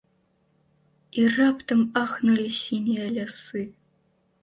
І раптам ахнулі сінія лясы!